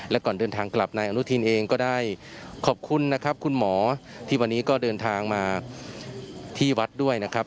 และก่อนเดินทางกลับนายอนุทินเองก็ได้ขอบคุณนะครับคุณหมอที่วันนี้ก็เดินทางมาที่วัดด้วยนะครับ